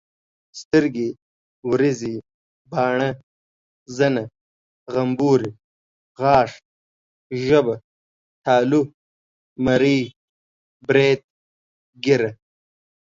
سترګي ، وريزي، باڼه، زنه، غمبوري، غاښ، ژبه ،تالو، مرۍ، بريت، ګيره